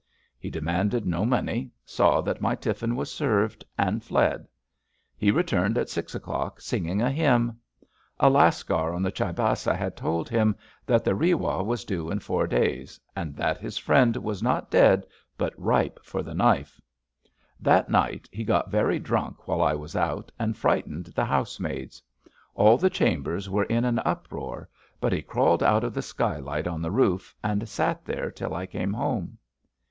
He demanded no money, saw that my tiflfin was served, and fled. He returned at six o'clock singing a hynm. A lascar on the Chyebassa had told him that the Rewah was due in four days, and that his friend was not dead, but ripe for the knife. That night he got very drunk while I was out, and frightened the housemaids. All the chambers were in an uproar, but he crawled out of the skylight on the roof, and sat there till I came home.